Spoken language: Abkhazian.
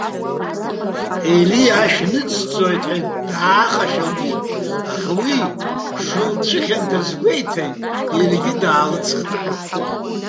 Ели ашә ныдысҵоит ҳәа даахашәа луит, аха уи шылцәыхьанҭаз гәеиҭан, иаргьы даалыцхрааит.